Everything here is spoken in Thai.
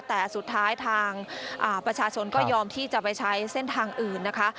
แต่สุดท้ายทางประชาชนก็ยอมที่จะไปใช้เส้นทางอื่นนะคะ